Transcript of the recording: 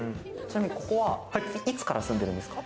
ここはいつから住んでるんですか？